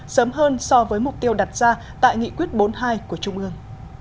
sớm hơn so với mục tiêu đặt ra tại nghị quyết bốn mươi hai của trung ương